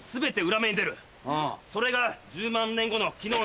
それが。